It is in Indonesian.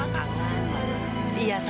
kamilah kamu bisa berjaga jaga